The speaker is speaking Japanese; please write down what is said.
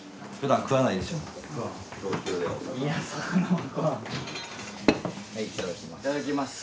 はいいただきます。